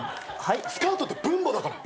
スカウトって分母だから。